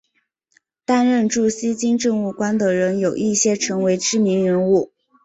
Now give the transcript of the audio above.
担任驻锡金政务官的人有一些成为知名人物。